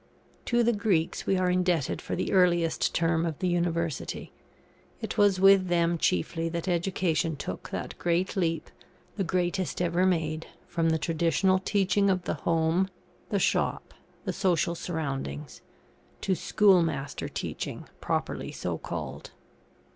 ] To the Greeks we are indebted for the earliest germ of the University. It was with them chiefly that education took that great leap, the greatest ever made, from the traditional teaching of the home, the shop, the social surroundings, to schoolmaster teaching properly so called.